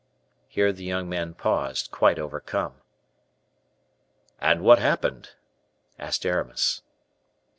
Here the young man paused, quite overcome. "And what happened?" asked Aramis.